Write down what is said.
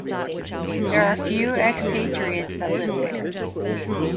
There are few expatriates that live there.